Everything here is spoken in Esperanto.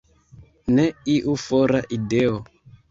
Ne iu fora ideo.